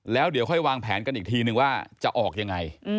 แล้วเดี๋ยวค่อยวางแผนกันอีกทีนึงว่าจะออกยังไง